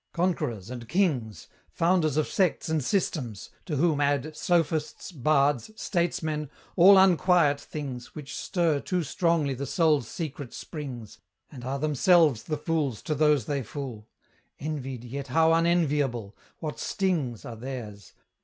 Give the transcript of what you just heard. Conquerors and Kings, Founders of sects and systems, to whom add Sophists, Bards, Statesmen, all unquiet things Which stir too strongly the soul's secret springs, And are themselves the fools to those they fool; Envied, yet how unenviable! what stings Are theirs!